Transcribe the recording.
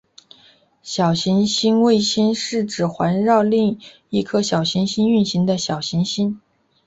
小行星卫星是指环绕另一颗小行星运行的小行星。